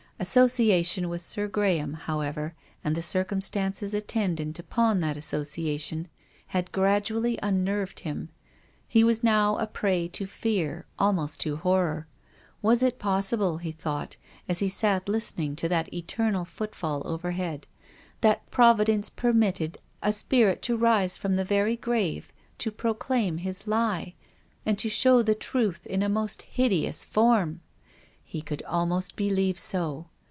Association with Sir Graham, however, and the circumstances attendant upon that association, had gradually unnerved him. He was now a prey to fear, almost to horror. Was it possible, he thought, as he sat listening to that eternal footfall overhead, that Providence permitted a spirit to 94 TONGUES OF CONSCIENCE. rise from the very grave to proclaim his lie, and to show the truth in a most hideous form ? He could almost believe so.